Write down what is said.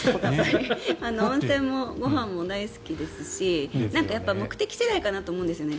温泉もご飯も大好きですし目的次第かなと思うんですよね。